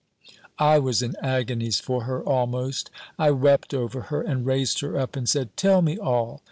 I was in agonies for her, almost; I wept over her, and raised her up, and said, "Tell me all.